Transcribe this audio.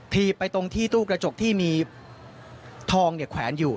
ไปตรงที่ตู้กระจกที่มีทองแขวนอยู่